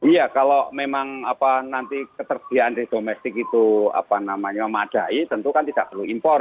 iya kalau memang nanti ketersediaan dari domestik itu memadai tentu kan tidak perlu impor